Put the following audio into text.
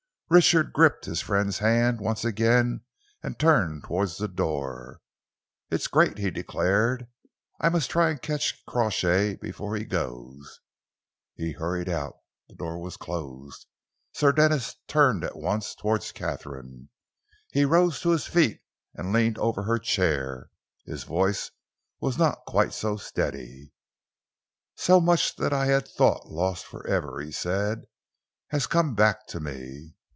Richard gripped his friend's hand once again and turned towards the door. "It's great!" he declared. "I must try and catch Crawshay before he goes." He hurried out. The door was closed. Sir Denis turned at once towards Katharine. He rose to his feet and leaned over her chair. His voice was not quite so steady. "So much that I had thought lost for ever," he said, "has come back to me.